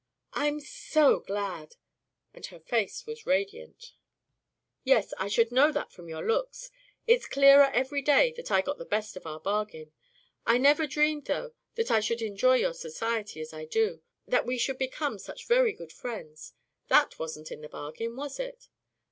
"I'm SO glad," and her face was radiant. "Yes, I should know that from your looks. It's clearer every day that I got the best of our bargain. I never dreamed, though, that I should enjoy your society as I do that we should become such very good friends. That wasn't in the bargain, was it?"